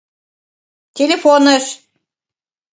Телефоныш!